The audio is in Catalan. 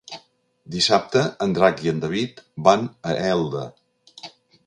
Dissabte en Drac i en David van a Elda.